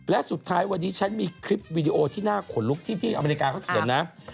และสุดท้ายวันนี้ฉันมีคลิปวีดีโอที่น่าขนลุกที่อเมริกาเขาเขียนนะ